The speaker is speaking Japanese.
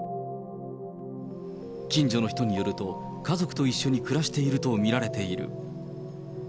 近所の人によると、家族と一緒に暮らしていると見られている。